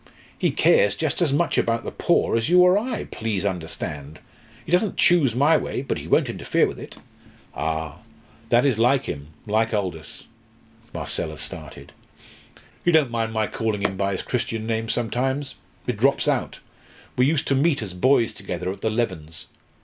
He cares just as much about the poor as you or I, please understand! He doesn't choose my way but he won't interfere with it." "Ah! that is like him like Aldous." Marcella started. "You don't mind my calling him by his Christian name sometimes? It drops out. We used to meet as boys together at the Levens.